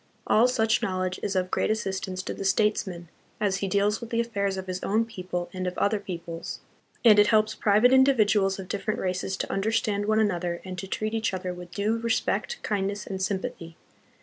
All such knowledge is of great assistance to the states man as he deals with the affairs of his own people and of other peoples, and it helps private individuals of different races to understand one another and to treat each other with due respect, kindness, and sympathy.